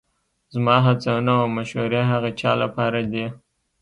زما هڅونه او مشورې هغه چا لپاره دي